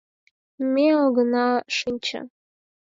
Ме огына шинче.